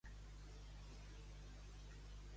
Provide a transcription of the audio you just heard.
Però què va exposar abans de la presentació d'aquest disc?